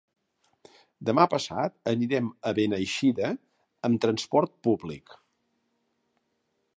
Demà passat anirem a Beneixida amb transport públic.